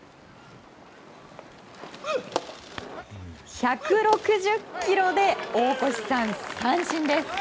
１６０キロで大越さん三振です。